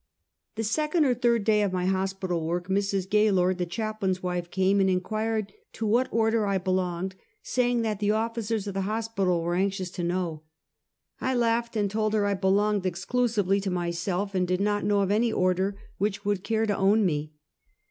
The second or tliird day of my hospital work, Mrs. Gaylord, the Chaplain's wife, came and inquired to what order I belonged, saying that the officers of the hospital were anxious to know. I laughed, and told her I belonged exclusively to myself, and did not know of any order which would care to own me.